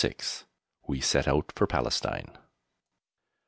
WE SET OUT FOR PALESTINE.